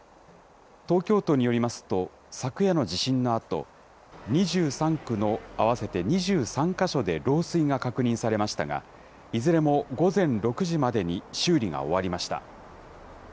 東京都によりますと、昨夜の地震のあと、２３区の合わせて２３か所で漏水が確認されましたが、いずれも午前６時までに修理が終わりました。